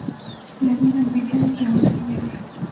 La vida media es de hora y media.